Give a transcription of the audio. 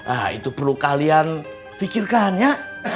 ah itu perlu kalian pikirkan ya